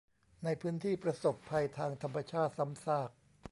ในพื้นที่ประสบภัยทางธรรมชาติซ้ำซาก